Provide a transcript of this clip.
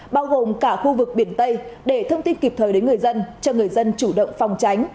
bao gồm cả khu vực biển tây để thông tin kịp thời đến người dân cho người dân chủ động phòng tránh